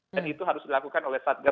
dan itu harus dilakukan oleh satga